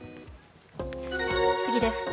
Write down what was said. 次です。